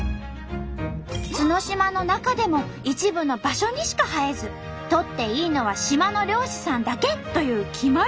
角島の中でも一部の場所にしか生えず採っていいのは島の漁師さんだけという決まりまであるんと！